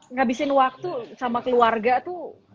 ngabisin waktu sama keluarga tuh